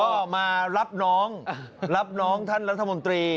ก็มารับน้องรับน้องท่านรัฐมนตรี